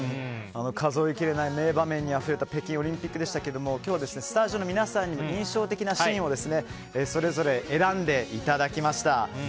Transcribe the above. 数えきれない名場面にあふれた北京オリンピックでしたけども今日はスタジオの皆さんに印象的なシーンをそれぞれ選んでいただきました。